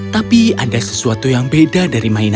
paruh beo dan kepala lebih besar dari badannya